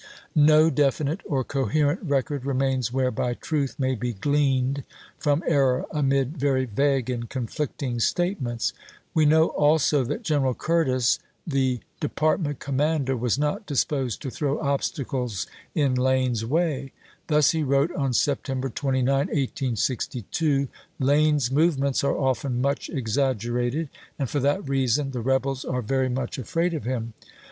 No definite or coherent record remains whereby truth may be gleaned from error amid very vague and conflicting statements. We know also that General Curtis, the 446 ABEAHAM LINCOLN Chap. XX. Department commander, was not disposed to throw obstacles in Lane's way ; thus he wrote on Septem ber 29, 1862 :" Lane's movements are often much exaggerated, and for that reason the rebels are very much afraid of him.